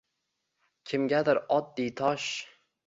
Kimgadir oddiy tosh